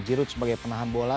giroud sebagai penahan bola